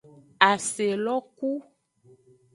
Aselo ku.